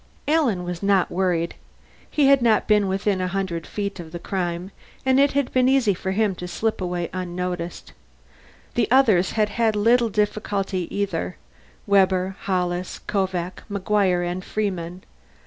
Alan was not worried. He had not been within a hundred feet of the crime, and it had been easy for him to slip away unnoticed. The others had had little difficulty either Webber, Hollis, Kovak, McGuire, and Freeman.